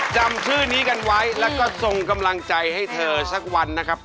จำชื่อนี้กันไว้แล้วก็ส่งกำลังใจให้เธอสักวันนะครับ